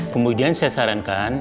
kemudian saya sarankan